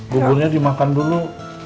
buburnya dimakan dulu